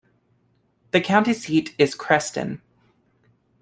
The county seat is Creston.